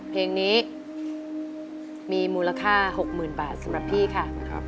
เพลงนี้มีมูลค่า๖๐๐๐บาทสำหรับพี่ค่ะ